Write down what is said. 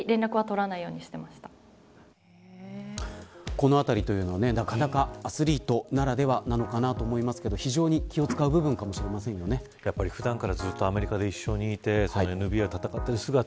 このあたりというのはなかなか、アスリートならではなのかなと思いますけれど非常に気を使う部分かも普段からずっとアメリカで一緒にいてＮＢＡを戦っている姿